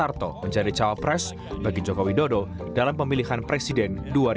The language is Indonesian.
harto menjadi cawapres bagi jokowi dodo dalam pemilihan presiden dua ribu sembilan belas